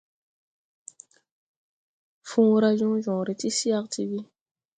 Fõõra jɔŋ jɔŋre ti CRTV.